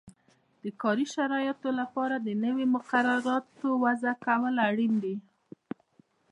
د کاري شرایطو لپاره نویو مقرراتو وضعه کول اړین دي.